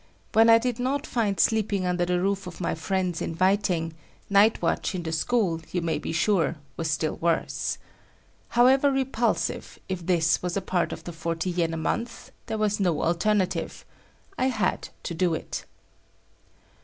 When I did not find sleeping under the roof of my friends inviting, night watch in the school, you may be sure, was still worse. However repulsive, if this was a part of the forty yen a month, there was no alternative. I had to do it.